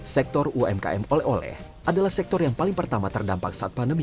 sektor umkm oleh oleh adalah sektor yang paling pertama terdampak saat pandemi